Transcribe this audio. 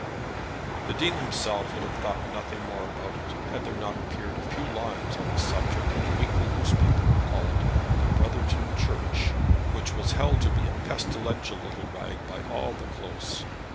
The Dean himself would have thought nothing more about it had there not appeared a few lines on the subject in a weekly newspaper called the "Brotherton Church," which was held to be a pestilential little rag by all the Close.